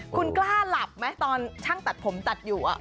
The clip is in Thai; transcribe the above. คุณกล้าหลับไหมตอนช่างตัดผมตัดอยู่